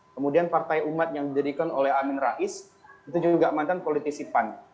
kemudian partai umat yang didirikan oleh amin rais itu juga mantan politisi pan